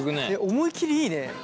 思い切りいいね。